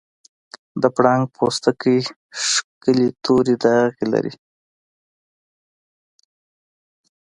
د پړانګ پوستکی ښکلي تورې داغې لري.